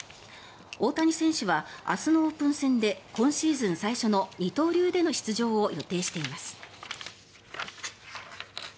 大谷選手は明日のオープン戦で今シーズン最初の二刀流での出場を予定しています。